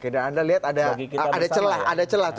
dan anda lihat ada celah